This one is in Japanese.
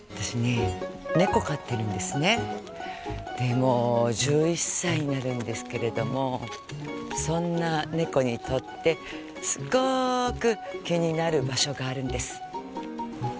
もう１１歳になるんですけれどもそんな猫にとってすごーく気になる場所があるんです。